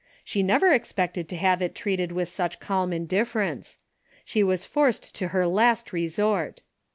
She never expected to have it DAILY BATEI^ ■' 137 treated with such calm indifference. She was forced to her last resort.